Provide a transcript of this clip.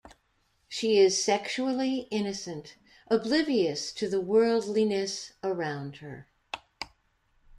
She is sexually innocent, oblivious to the worldliness around her.